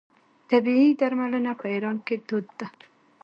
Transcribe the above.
طبیعي درملنه په ایران کې دود ده.